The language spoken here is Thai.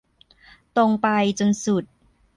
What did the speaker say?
ตรงไปจนสุด